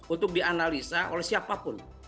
untuk dianalisa oleh siapapun